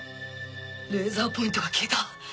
レーザーポイントが消えた！